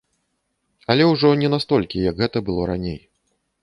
Але ўжо не настолькі, як гэта было раней.